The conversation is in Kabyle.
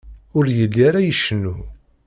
Ur yelli ara icennu.